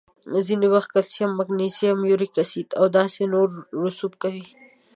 ځینې وخت کلسیم، مګنیزیم، یوریک اسید او داسې نور رسوب کوي.